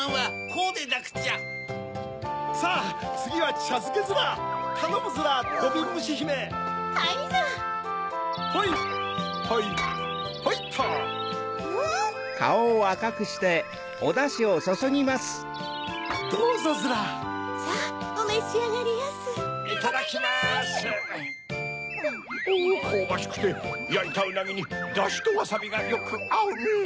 こうばしくてやいたうなぎにだしとわさびがよくあうねぇ。